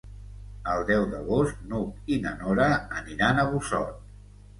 El deu d'agost n'Hug i na Nora aniran a Busot.